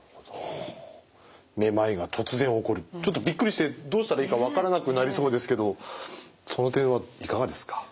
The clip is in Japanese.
ちょっとびっくりしてどうしたらいいか分からなくなりそうですけどその点はいかがですか？